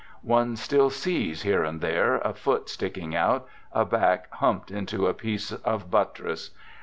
One still sees, here and there, a foot sticking out, a back humped into a piece of buttress.